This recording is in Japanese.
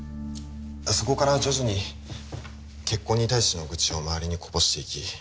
そこから徐々に結婚に対しての愚痴を周りにこぼしていき